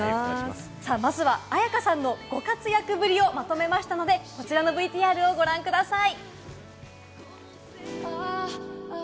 まずは絢香さんのご活躍ぶりをまとめましたので、こちらのＶＴＲをご覧ください。